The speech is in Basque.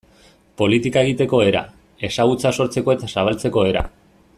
Politika egiteko era, ezagutza sortzeko eta zabaltzeko era...